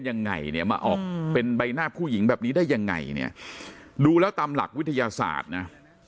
ยังไงเนี่ยมาออกเป็นใบหน้าผู้หญิงแบบนี้ได้ยังไงเนี่ยดูแล้วตามหลักวิทยาศาสตร์นะ